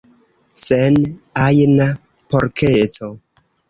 Sen ajna porkeco.